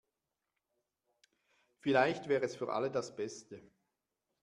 Vielleicht wäre es für alle das Beste.